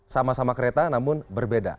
sama sama kereta namun berbeda